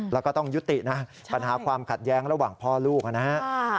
แล้วก็ต้องยุตินะปัญหาความขัดแย้งระหว่างพ่อลูกนะฮะ